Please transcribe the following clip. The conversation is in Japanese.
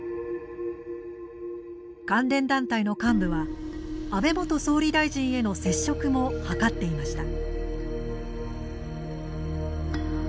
関連団体の幹部は安倍元総理大臣への接触も図っていました。